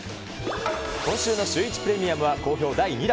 今週のシューイチプレミアムは、好評第２弾！